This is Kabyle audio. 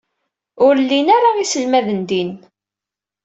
Ur llin ara yiselmaden din.